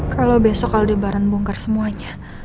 kalau besok aldebaran bongkar semuanya